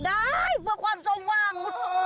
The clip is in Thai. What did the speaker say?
ได้เพื่อกว่าสมว่าง